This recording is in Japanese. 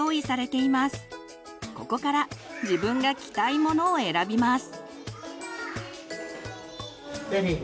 ここから自分が着たいものを選びます。